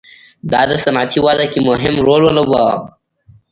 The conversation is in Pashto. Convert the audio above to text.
دا د صنعتي وده کې مهم رول ولوباوه.